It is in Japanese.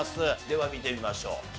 では見てみましょう。